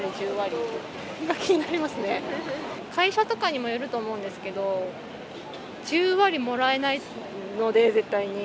会社とかにもよると思うんですけど、１０割もらえないので、絶対に。